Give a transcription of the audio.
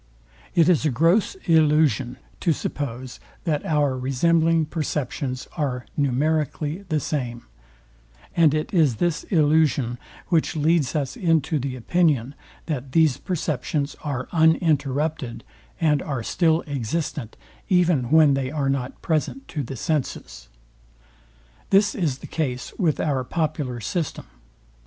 It is a gross illusion to suppose, that our resembling perceptions are numerically the same; and it is this illusion, which leads us into the opinion, that these perceptions are uninterrupted, and are still existent, even when they are not present to the senses. This is the case with our popular system.